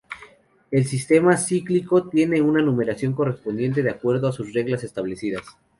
El sistema cíclico tiene su numeración correspondiente, de acuerdo a sus reglas establecidas.